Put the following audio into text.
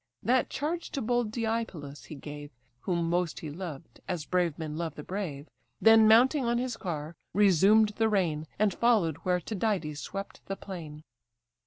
That charge to bold Deipylus he gave, (Whom most he loved, as brave men love the brave,) Then mounting on his car, resumed the rein, And follow'd where Tydides swept the plain.